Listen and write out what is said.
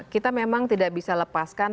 kita memang tidak bisa lepaskan